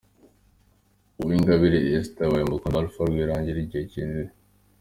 Uwingabire Esther yabaye umukunzi wa Alpha Rwirangira igihe kinini.